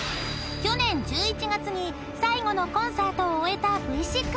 ［去年１１月に最後のコンサートを終えたＶ６］